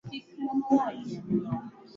basi ni fursa yao nikushukuru sana edwin david